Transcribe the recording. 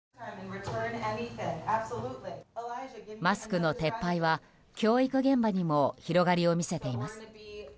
マスクの撤廃は、教育現場にも広がりを見せています。